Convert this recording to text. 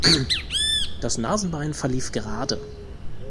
Das Nasenbein verlief gerade.